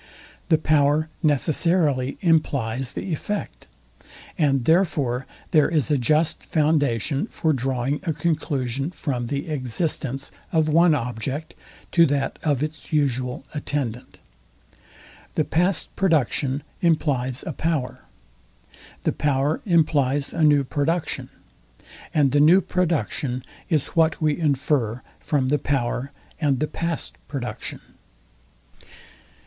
The power necessarily implies the effect; and therefore there is a just foundation for drawing a conclusion from the existence of one object to that of its usual attendant. The past production implies a power: The power implies a new production: And the new production is what we infer from the power and the past production.